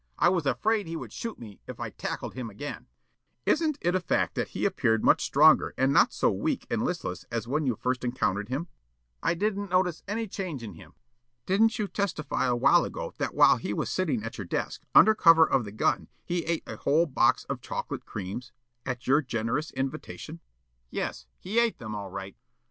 I was afraid he would shoot me if I tackled him again." Counsel: "Isn't it a fact that he appeared much stronger and not so weak and listless as when you first encountered him?" Yollop: "I didn't notice any change in him." Counsel: "Didn't you testify awhile ago that while he was sitting at your desk, under cover of the gun, he ate a whole box of chocolate creams, at your generous invitation?" Yollop: "Yes. He ate them, all right."